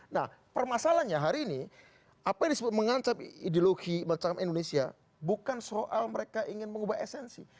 nah permasalahannya hari ini apa yang disebut mengancam ideologi macam indonesia bukan soal mereka ingin mengubah esensi